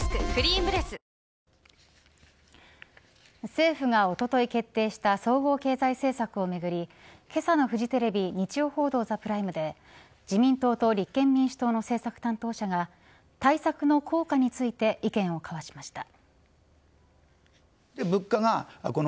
政府がおととい決定した総合経済政策をめぐりけさのフジテレビ日曜報道ＴＨＥＰＲＩＭＥで自民党と立憲民主党の政策担当者が対策の効果について意見を交わしました。